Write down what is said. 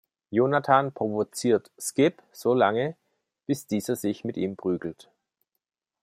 Jonathan provoziert Skip so lange, bis dieser sich mit ihm prügelt.